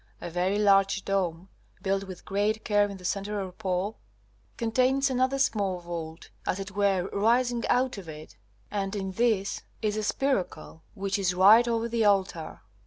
A very large dome, built with great care in the centre or pole, contains another small vault as it were rising out of it, and in this is a spiracle, which is right over the altar.